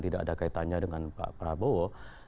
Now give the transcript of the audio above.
tidak ada kaitannya dengan pak prabowo